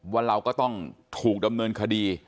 ว่าเราก็ต้องถูกดำเนินคดี